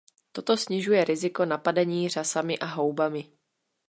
Toto snižuje riziko napadení řasami a houbami.